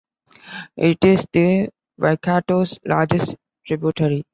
It is the Waikato's largest tributary.